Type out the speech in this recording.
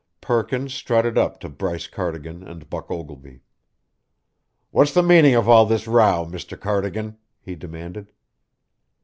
Perkins strutted up to Bryce Cardigan and Buck Ogilvy. "What's the meaning of all this row, Mr. Cardigan?" he demanded.